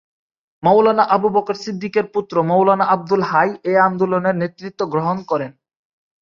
মওলানা আবুবকর সিদ্দিকের পুত্র মওলানা আব্দুল হাই এ আন্দোলনের নেতৃত্ব গ্রহণ করেন।